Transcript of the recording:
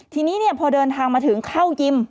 ทีนี้พอเดินทางมาถึงเข้ายิม